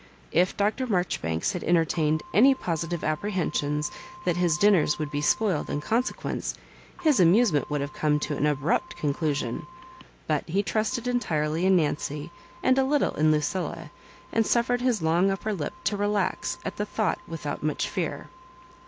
If Dr. Maijoribanks had entertained any positive apprehensions that his dinners would be spoiled in consequence, his amusement would have come to an abrupt conclusion ; but he trusted entirely in Nancy and a little in Lucilla, and suffered his long upper lip to relax at the thought without much fear.